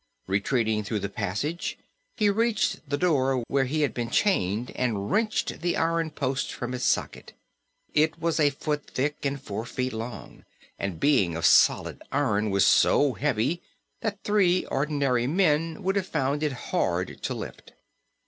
Retreating through the passage he reached the room where he had been chained and wrenched the iron post from its socket. It was a foot thick and four feet long, and being of solid iron was so heavy that three ordinary men would have found it hard to lift.